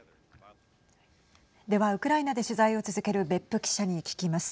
ではウクライナで取材を続ける別府記者に聞きます。